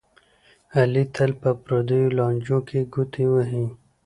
علي تل په پردیو لانجو کې ګوتې وهي.